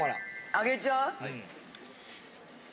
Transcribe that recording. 揚げいっちゃう？